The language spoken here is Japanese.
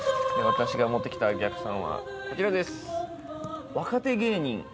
私が持ってきた逆算はこちらです。